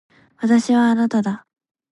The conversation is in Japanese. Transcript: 私はあなただ。